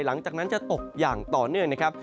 หลังจากนั้นจะตกอย่างต่อเนื่องนะครับ